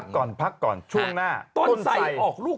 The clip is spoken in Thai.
กลับมาดู